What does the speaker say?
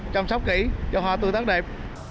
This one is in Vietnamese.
chăm sóc kỹ cho hoa tươi tắt đẹp